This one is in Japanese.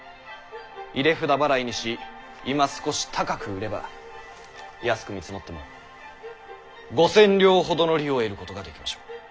入札払いにしいま少し高く売れば安く見積もっても５千両ほどの利を得ることができましょう。